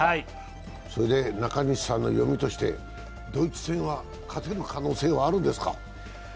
中西さんの読みとして、ドイツ戦は勝てる可能性はあるんですか？